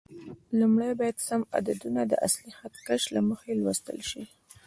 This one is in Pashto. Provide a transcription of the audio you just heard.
لومړی باید سم عددونه د اصلي خط کش له مخې لوستل شي.